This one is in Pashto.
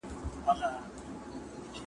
زه به سبا درسونه لوستل کوم؟!